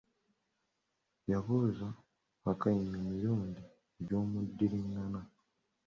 Yabuuza Wakayima emirundi gy'omuddiringana .